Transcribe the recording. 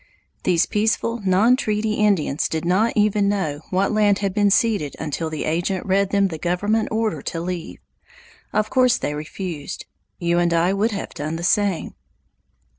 These peaceful non treaty Indians did not even know what land had been ceded until the agent read them the government order to leave. Of course they refused. You and I would have done the same.